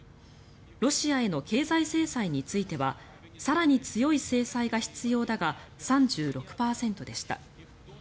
ロシアへの経済制裁については更に強い制裁が必要だが３６％でした。